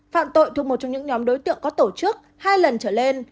phạm tội thuộc một trong những nhóm đối tượng có tổ chức hai lần trở lên